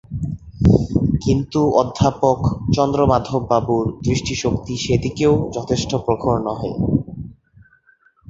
কিন্তু অধ্যাপক চন্দ্রমাধববাবুর দৃষ্টিশক্তি সে দিকেও যথেষ্ট প্রখর নহে।